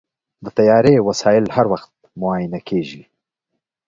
د طیارې وسایل هر وخت معاینه کېږي.